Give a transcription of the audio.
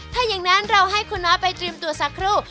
ถ้าอย่างนั้นเราให้คุณน้อยไปเตรียมตัวสักครู่